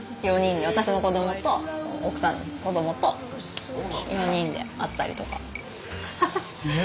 私の子どもと奥さん子どもと４人で会ったりとか。